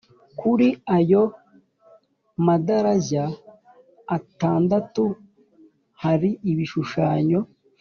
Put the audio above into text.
kuri ayo madarajya atandatu hari ibishushanyo